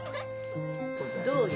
どうよ？